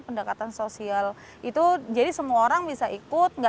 pendekatan sosial itu jadi semua orang bisa ikut